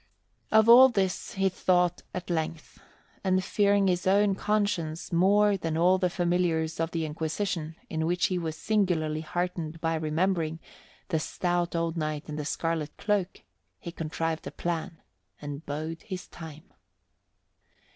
Of all this he thought at length, and fearing his own conscience more than all the familiars of the Inquisition, in which he was singularly heartened by remembering the stout old knight in the scarlet cloak, he contrived a plan and bode his time.